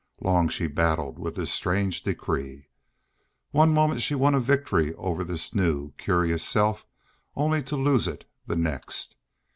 Long she battled with this strange decree. One moment she won a victory over, this new curious self, only to lose it the next.